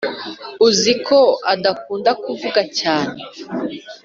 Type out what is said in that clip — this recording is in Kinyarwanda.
uziko adakunda kuvuga cyane